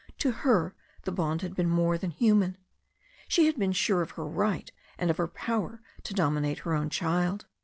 To her the bond had been more than human. She had been sure of her right and of her power to dominate her own child.